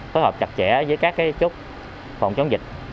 phối hợp chặt chẽ với các chốt phòng chống dịch